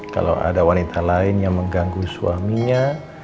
kalau ada wanita lain yang mengganggu suaminya